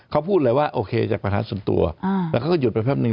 เขาพูดเลยว่าโอเคจากปัญหาส่วนตัวแล้วเขาก็หยุดไปแป๊บนึ